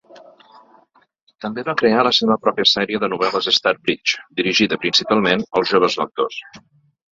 També va crear la seva pròpia sèrie de novel·les Starbridge, dirigida principalment als joves lectors.